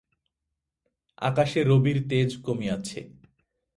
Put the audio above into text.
আকাশে রবির তেজ কমিয়াছে।